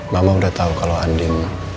mama udah tahu kalau andin